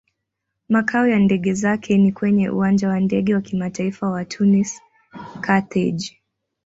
Makao ya ndege zake ni kwenye Uwanja wa Ndege wa Kimataifa wa Tunis-Carthage.